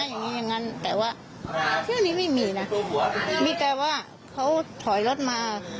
อย่างงี้อย่างงั้นแต่ว่าเที่ยวนี้ไม่มีนะมีแต่ว่าเขาถอยรถมา